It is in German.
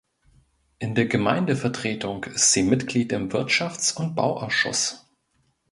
In der Gemeindevertretung ist sie Mitglied im Wirtschafts- und Bauausschuss.